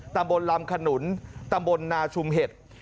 ตำบลลำขนุนตำบลนาชุมเห็ด